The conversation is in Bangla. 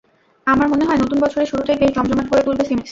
আমার মনে হয়, নতুন বছরের শুরুটাই বেশ জমজমাট করে তুলবে সিনেমাটি।